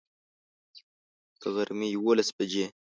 د غرمي یوولس بجي